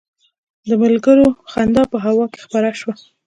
د ملګرو خندا په هوا کې خپره شوه.